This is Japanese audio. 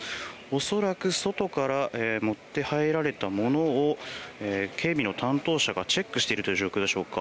恐らく、外から持って入られたものを警備の担当者がチェックしているという状況でしょうか。